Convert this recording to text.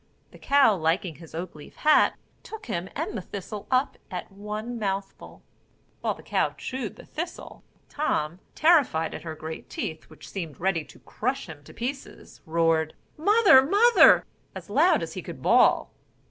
The cow liking his oak leaf hat took him and the thistle up at one mouthful. While the cow chewed the thistle, Tom, terrified at her great teeth, which seemed ready to crush him to pieces, roared, "Mother, Mother!" as loud as he could bawl.